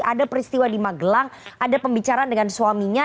ada peristiwa di magelang ada pembicaraan dengan suaminya